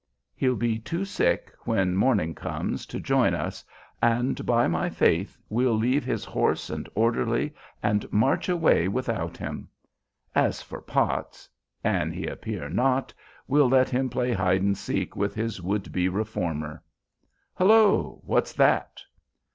He'll be too sick, when morning comes, to join us, and, by my faith, we'll leave his horse and orderly and march away without him. As for Potts, an he appear not, we'll let him play hide and seek with his would be reformer. Hullo! What's that?"